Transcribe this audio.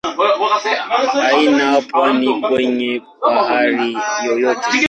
Haina pwani kwenye bahari yoyote.